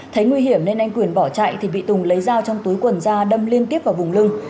thấy nguy hiểm nên anh quyền bỏ chạy thì bị tùng lấy dao trong túi quần ra đâm liên tiếp vào vùng lưng